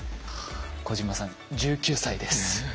小島さん１９歳です。